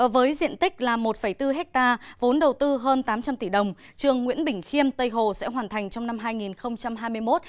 với diện tích là một bốn hectare vốn đầu tư hơn tám trăm linh tỷ đồng trường nguyễn bình khiêm tây hồ sẽ hoàn thành trong năm hai nghìn hai mươi một